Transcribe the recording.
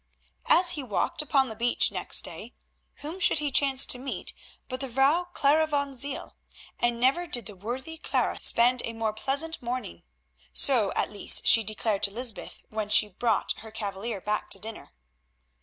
As he walked upon the beach next day, whom should he chance to meet but the Vrouw Clara van Ziel, and never did the worthy Clara spend a more pleasant morning. So at least she declared to Lysbeth when she brought her cavalier back to dinner.